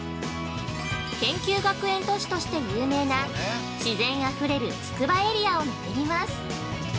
「研究学園都市」として有名な、自然あふれる「つくばエリア」を巡ります。